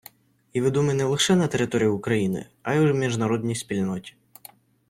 І відомий не лише на території України, а й у міжнародній спільноті.